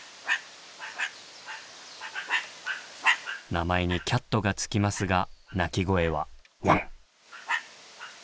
名前に「キャット」が付きますが鳴き声は「ワン！」。